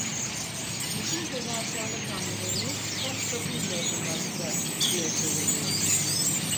"Bütün fedakârlık hamleleriniz post kapıncaya kadar sürer!" diye söyleniyordu.